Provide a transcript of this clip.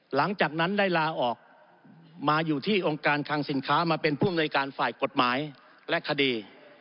หลังจากนั้นได้ลาออกมาอยู่ที่องค์การคังสินค้ามาเป็นผู้อำนวยการฝ่ายกฎหมายและคดี